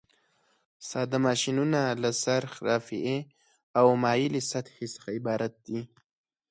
ساده ماشینونه له څرخ، رافعې او مایلې سطحې څخه عبارت دي.